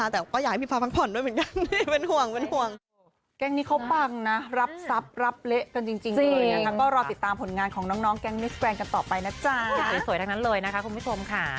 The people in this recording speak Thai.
แต่ก็อยากให้พรภาษณ์พังผ่อนด้วยเหรอ